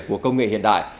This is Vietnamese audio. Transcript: của công nghệ hiện đại